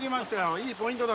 いいポイントだ